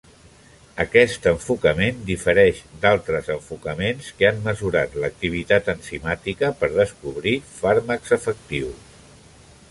Aquest enfocament difereix d'altres enfocaments que han mesurat l'activitat enzimàtica per descobrir fàrmacs efectius.